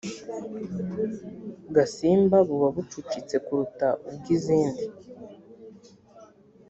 gasimba buba bucucitse kuruta ubw izindi